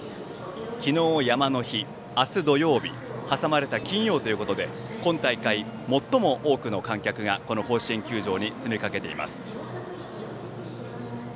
昨日、山の日明日、土曜日挟まれた金曜日ということで今大会、最も多くの観客が甲子園球場に詰めかけています。